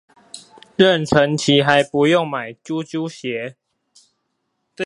妊娠期還不用買啾啾鞋